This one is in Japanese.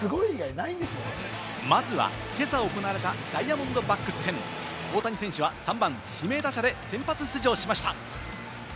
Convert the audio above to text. まずは今朝行われたダイヤモンドバックス戦、大谷選手は３番・指名打者で先発出場しました。